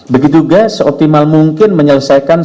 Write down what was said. begitu juga seoptimal mungkin menyelesaikan